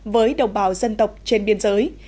với đồng bào dân tộc trên biên giới